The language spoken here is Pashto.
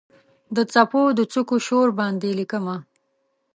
د څپو د څوکو شور باندې لیکمه